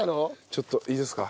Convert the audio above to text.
ちょっといいですか？